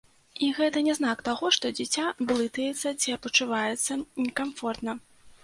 І гэта не знак таго, што дзіця блытаецца ці пачуваецца не камфортна.